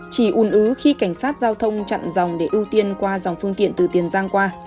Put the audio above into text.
chỉ ùn ứ khi cảnh sát giao thông chặn dòng để ưu tiên qua dòng phương tiện từ tiền giang qua